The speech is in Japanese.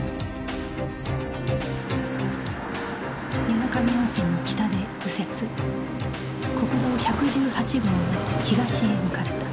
湯野上温泉の北で右折国道１１８号を東へ向かった